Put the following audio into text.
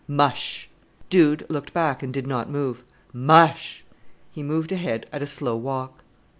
"Mush!" Dude looked back and did not move. "Mush!" He moved ahead at a slow walk.